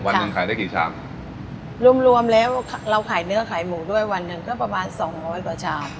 วันหนึ่งขายได้กี่ชามรวมรวมแล้วเราขายเนื้อขายหมูด้วยวันหนึ่งก็ประมาณสองร้อยกว่าชาม